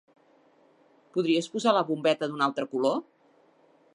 Podries posar la bombeta d'un altre color?